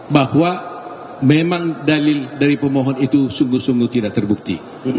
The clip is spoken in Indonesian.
bahwa memang dalil dari pemohon itu sungguh sungguh tidak terbukti